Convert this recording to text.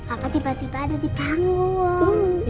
papa tiba tiba ada di panggung